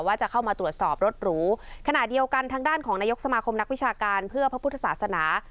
ว่าจะเข้ามาตรวจสอบรถหรูขณะเดียวกันทางด้านของนายกสมาคมนักวิชาการเพื่อพระพุทธศาสนา